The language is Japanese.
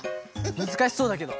むずかしそうだけど。